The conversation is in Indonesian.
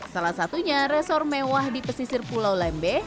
salah satunya resort mewah di pesisir pulau lembeh